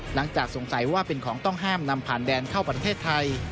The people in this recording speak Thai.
หลังจากสงสัยว่าเป็นของต้องห้ามนำผ่านแดนเข้าประเทศไทย